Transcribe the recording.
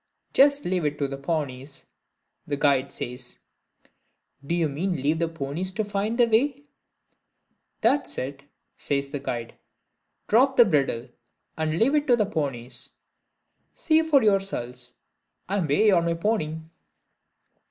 "Just leave it to the pownies," the guide says. "Do you mean leave the ponies to find the way?" "That's it," says the guide. "Drop the bridle, and leave it to the pownies. See for yourselves. I'm away on my powny."